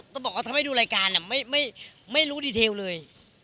ถ้ามันทำให้ดูรายการไม่รู้รายงานเลย